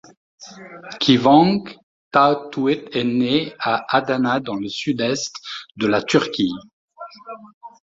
Kıvanç Tatlıtuğ est né à Adana dans le sud-est de la Turquie.